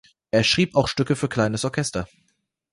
Er schrieb auch Stücke für kleines Orchester.